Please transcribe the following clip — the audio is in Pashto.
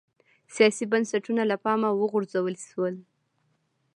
سیاسي بنسټونه له پامه وغورځول شول